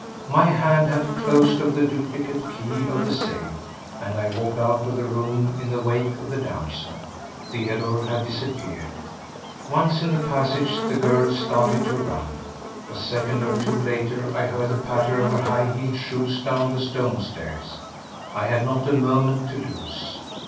My hand had closed over the duplicate key of the safe, and I walked out of the room in the wake of the damsel. Theodore had disappeared. Once in the passage, the girl started to run. A second or two later I heard the patter of her high heeled shoes down the stone stairs. I had not a moment to lose.